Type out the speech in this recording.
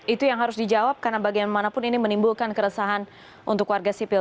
itu yang harus dijawab karena bagian manapun ini menimbulkan keresahan untuk warga sipil